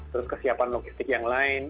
terus kesiapan logistik yang lain